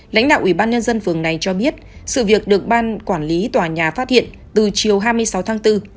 lãnh đạo ủy ban nhân dân phường này cho biết sự việc được ban quản lý tòa nhà phát hiện từ chiều hai mươi sáu tháng bốn